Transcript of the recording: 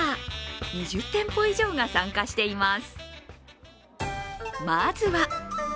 ２０店舗以上が参加しています。